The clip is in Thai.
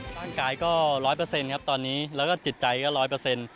ร่างกายก็ร้อยเปอร์เซ็นต์ครับตอนนี้แล้วก็จิตใจก็ร้อยเปอร์เซ็นต์